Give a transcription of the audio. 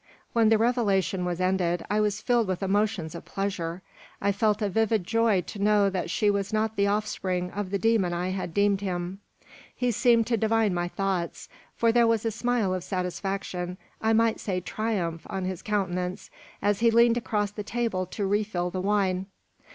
When the revelation was ended, I was filled with emotions of pleasure. I felt a vivid joy to know that she was not the offspring of the demon I had deemed him. He seemed to divine my thoughts; for there was a smile of satisfaction, I might say triumph, on his countenance, as he leaned across the table to refill the wine.